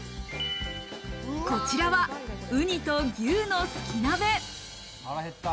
こちらは雲丹と牛のすき鍋。